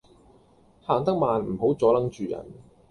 行得慢唔好阻撚住人